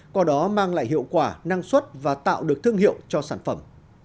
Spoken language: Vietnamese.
qua đó mang lại hiệu quả năng suất và tạo được thương hiệu cho sản phẩm